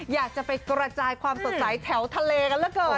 อยากจะไปกระจายความสดใสแถวทะเลกันเหลือเกิน